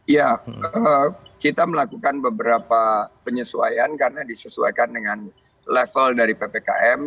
ya kita melakukan beberapa penyesuaian karena disesuaikan dengan level dari ppkm